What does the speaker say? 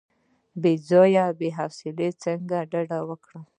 د بې ځایه مصرف څخه ډډه وکړئ.